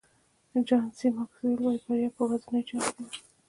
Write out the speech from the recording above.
جان سي ماکسویل وایي بریا په ورځنیو چارو کې ده.